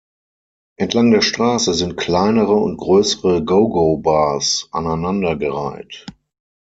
Entlang der Straße sind kleinere und größere Gogo-Bars aneinandergereiht.